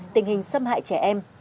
tình hình xâm hại trẻ em